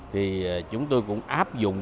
thì chúng tôi cũng áp dụng